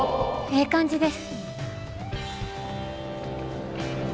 ええ感じです。